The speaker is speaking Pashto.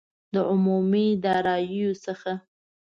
عمومي داراییو څخه دي.